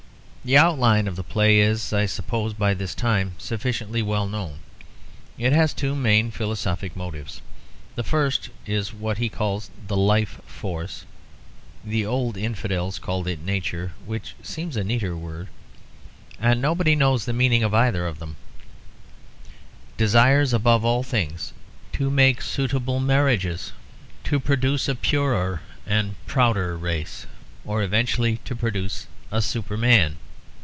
The outline of the play is, I suppose, by this time sufficiently well known. It has two main philosophic motives. The first is that what he calls the life force (the old infidels called it Nature, which seems a neater word, and nobody knows the meaning of either of them) desires above all things to make suitable marriages, to produce a purer and prouder race, or eventually to produce a Superman.